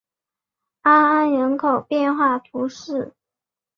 阿安人口变化图示